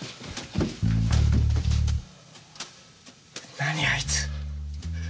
何あいつ。